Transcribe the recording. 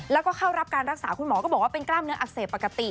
แล้วก็เข้ารับการรักษาคุณหมอก็บอกว่าเป็นกล้ามเนื้ออักเสบปกติ